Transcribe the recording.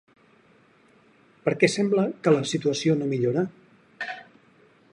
Per què sembla que la situació no millora?